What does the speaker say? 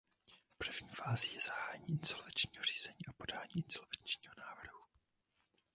První fází je zahájení insolvenčního řízení a podání insolvenčního návrhu.